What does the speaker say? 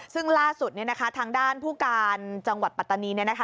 ซึ่งล่าสุดเนี่ยนะคะทางด้านผู้การจังหวัดปัตตานีเนี่ยนะคะ